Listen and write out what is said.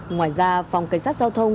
ngoài ra phòng cảnh sát giao thông